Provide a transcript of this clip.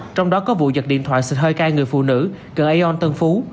trong đó có vụ giật điện thoại xịt hơi cay người phụ nữ gần aeon tân phú